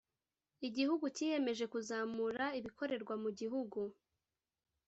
Igihugu kiyemeje kuzamura ibikorerwa mu gihugu